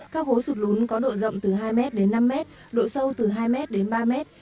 các hố sụt lún có độ rộng từ hai m đến năm mét độ sâu từ hai m đến ba mét